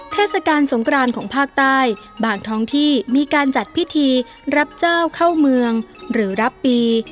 เทศกาลสงกรานของภาคใต้บางท้องที่มีการจัดพิธีรับเจ้าเข้าเมืองหรือรับปี